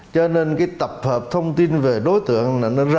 cho nên cái tập hợp thông tin về đối tượng là nên là